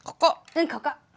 うんここ。